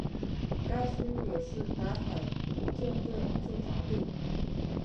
该区也是北海舰队驻扎地。